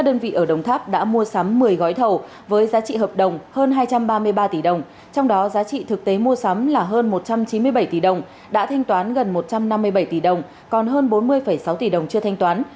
đơn vị ở đồng tháp đã mua sắm một mươi gói thầu với giá trị hợp đồng hơn hai trăm ba mươi ba tỷ đồng trong đó giá trị thực tế mua sắm là hơn một trăm chín mươi bảy tỷ đồng đã thanh toán gần một trăm năm mươi bảy tỷ đồng còn hơn bốn mươi sáu tỷ đồng chưa thanh toán